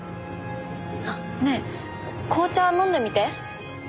ねえ紅茶飲んでみて。